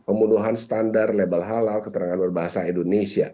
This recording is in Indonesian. pemuduhan standar label halal keterangan berbahasa indonesia